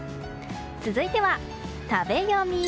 続いては、食べヨミ。